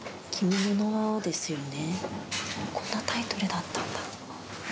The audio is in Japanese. こんなタイトルだったんだ。